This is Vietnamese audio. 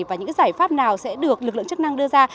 và những giải pháp nào sẽ được lực lượng chức năng đưa ra